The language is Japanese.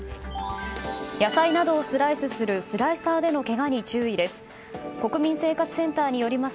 野菜などをスライスするスライサーでのけがに注意です。